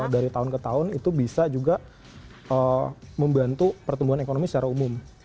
dari tahun ke tahun itu bisa juga membantu pertumbuhan ekonomi secara umum